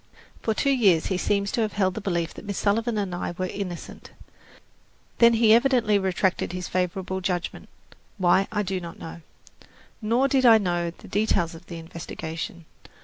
For two years he seems to have held the belief that Miss Sullivan and I were innocent. Then he evidently retracted his favourable judgment, why I do not know. Nor did I know the details of the investigation.